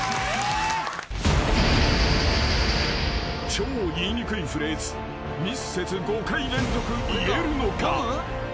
［超言いにくいフレーズミスせず５回連続言えるのか？］